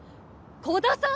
鼓田さん！